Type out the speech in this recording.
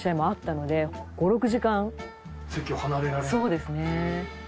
そうですね。